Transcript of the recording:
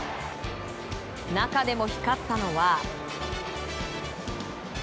中でも光ったのは。